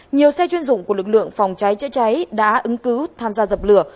nhiều xe chuyên dụng của lực lượng phòng cháy chữa cháy đã ứng cứu tham gia dập lửa